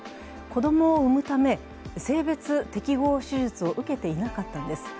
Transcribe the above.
子供を産むため、性別適合手術を受けていなかったんです。